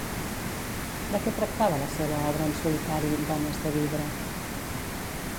De què tracta la seva obra en solitari Dones de vidre?